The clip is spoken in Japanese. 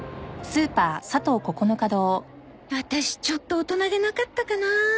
ワタシちょっと大人げなかったかな